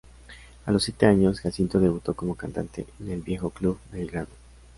A los siete años Jacinto debutó como cantante en el viejo Club Belgrano.